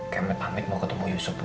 keme pamit mau ketemu yusuf bu